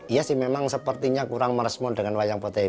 iya sih memang sepertinya kurang merespon dengan wayang potehi